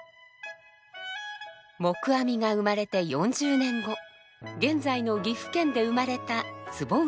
黙阿弥が生まれて４０年後現在の岐阜県で生まれた坪内逍遙。